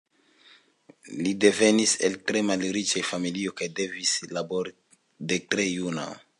Li devenis el tre malriĉa familio kaj devis labori de tre juna.